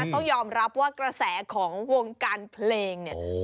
ต้องยอมรับว่ากระแสของวงการเพลงเนี่ย